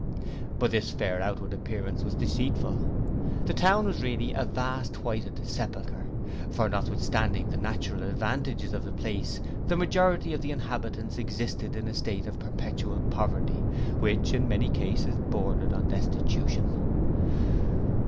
But this fair outward appearance was deceitful. The town was really a vast whited sepulchre; for notwithstanding the natural advantages of the place the majority of the inhabitants existed in a state of perpetual poverty which in many cases bordered on destitution.